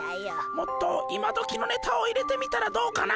もっと今どきのネタを入れてみたらどうかな。